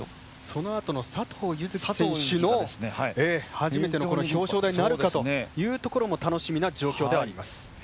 そのあとの佐藤柚月選手の初めての表彰台になるかというところも楽しみな状況ではあります。